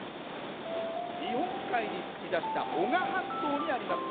日本海に突き出した男鹿半島にあります。